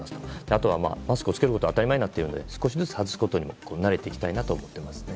あとは、マスクを着けることが当たり前になっているので少しずつ、外すことにも慣れていきたいなと思っています。